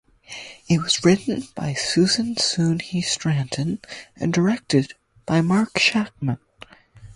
It was written by Susan Soon He Stanton and directed by Matt Shakman.